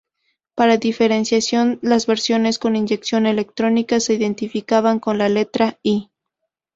Para diferenciación, las versiones con inyección electrónica se identificaban con la letra "i".